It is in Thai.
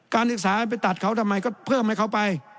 ศึกษาไปตัดเขาทำไมก็เพิ่มให้เขาไป